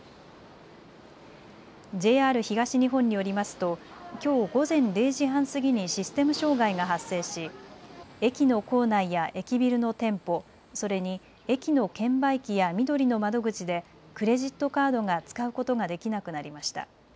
ＪＲ東日本によりますときょう午前０時半過ぎにシステム障害が発生し駅の構内や駅ビルの店舗、それに駅の券売機やみどりの窓口でクレジットカードが使うことができなくなりました。